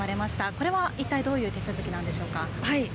これは一体どういう手続きなんでしょうか。